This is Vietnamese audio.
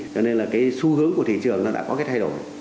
cho nên là cái xu hướng của thị trường nó đã có cái thay đổi